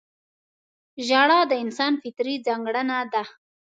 • ژړا د انسان فطري ځانګړنه ده.